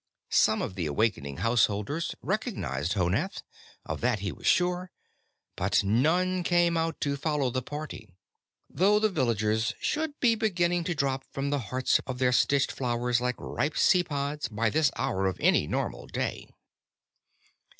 Some of the awakening householders recognized Honath, of that he was sure, but none came out to follow the party though the villagers should be beginning to drop from the hearts of their stitched flowers like ripe seed pods by this hour of any normal day.